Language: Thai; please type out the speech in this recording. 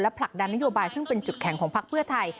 ผลักดันนโยบายซึ่งเป็นจุดแข็งของพักเพื่อไทย